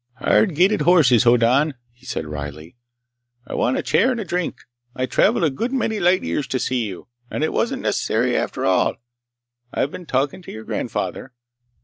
"Hard gaited horses, Hoddan," he said wryly. "I want a chair and a drink. I traveled a good many light years to see you, and it wasn't necessary after all. I've been talking to your grandfather."